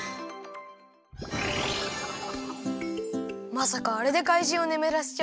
まさかあれでかいじんをねむらせちゃうなんて。